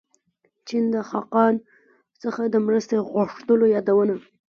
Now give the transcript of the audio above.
چین د خاقان څخه د مرستې غوښتلو یادونه.